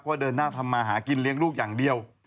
เดินหน้าทำมาหากินเลี้ยงลูกอย่างเดียว